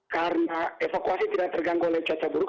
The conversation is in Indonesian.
karena evakuasi tidak terganggu oleh cuaca buruk